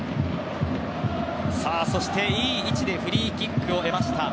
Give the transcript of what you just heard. そして、いい位置でフリーキックを得ました。